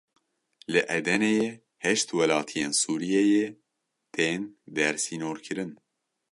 Li Edeneyê heşt welatiyên Sûriyeyê tên dersînorkirin.